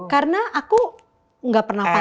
karena aku enggak pernah pantas